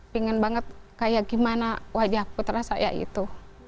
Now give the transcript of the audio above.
pengen banget kayak gimana wajah putra saya itu